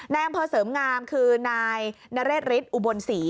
ในอำเภอเสริมงามคือนายนรษศิลป์อุบนศรี